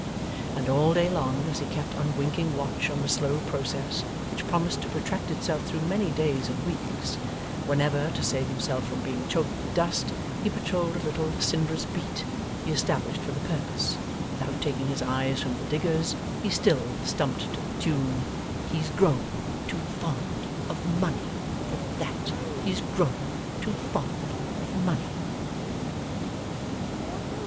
And all day long, as he kept unwinking watch on the slow process which promised to protract itself through many days and weeks, whenever (to save himself from being choked with dust) he patrolled a little cinderous beat he established for the purpose, without taking his eyes from the diggers, he still stumped to the tune: He's GROWN too FOND of MONEY for THAT, he's GROWN too FOND of MONEY.